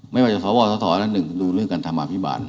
ไม่ว่าจะสวสสอันหนึ่งดูเรื่องการทำอภิบาล